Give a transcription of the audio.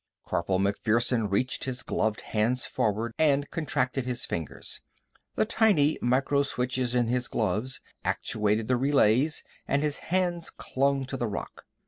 Corporal MacPherson reached his gloved hands forward and contracted his fingers. The tiny microswitches in his gloves actuated the relays, and his hands clung to the rock.